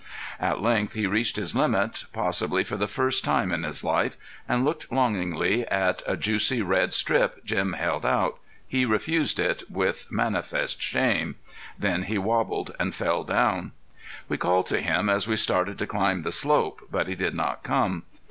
At length he reached his limit, possibly for the first time in his life, and looking longingly at a juicy red strip Jim held out, he refused it with manifest shame. Then he wobbled and fell down. We called to him as we started to climb the slope, but he did not come.